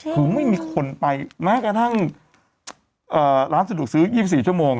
คือไม่มีคนไปแม้กระทั่งร้านสะดวกซื้อ๒๔ชั่วโมง